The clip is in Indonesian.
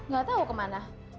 gak tau kemana